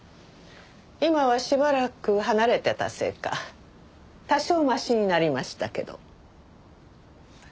今はしばらく離れてたせいか多少マシになりましたけど。